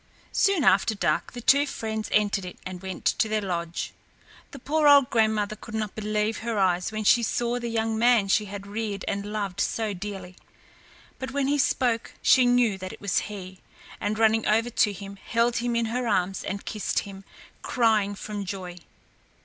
Soon after dark, the two friends entered it and went to their lodge. The poor old grandmother could not believe her eyes when she saw the young man she had reared and loved so dearly; but when he spoke she knew that it was he, and running over to him she held him in her arms and kissed him, crying from joy.